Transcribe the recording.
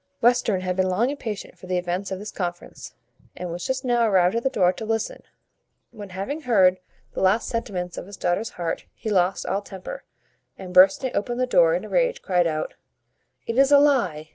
Western had been long impatient for the event of this conference, and was just now arrived at the door to listen; when, having heard the last sentiments of his daughter's heart, he lost all temper, and, bursting open the door in a rage, cried out "It is a lie!